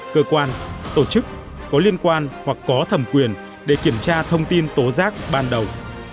cơ quan tổ chức có liên quan hoặc có thẩm quyền để kiểm tra thông tin tố giác ban đầu